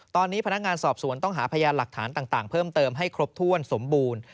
ตอนนี้พนักงานสอบสวนต้องหาพยานหลักฐานต่างเพิ่มเติมให้ครบถ้วนสมบูรณ์